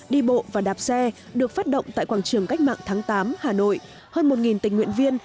đi bộ và đạp xe được phát động tại quảng trường cách mạng tháng tám hà nội hơn một tình nguyện viên